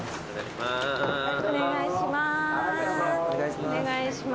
お願いします。